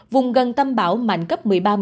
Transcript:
vùng gần tâm bão mạnh cấp một mươi ba một mươi